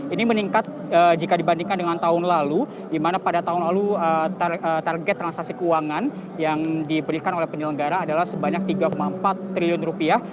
ini meningkat jika dibandingkan dengan tahun lalu di mana pada tahun lalu target transaksi keuangan yang diberikan oleh penyelenggara adalah sebanyak tiga empat triliun rupiah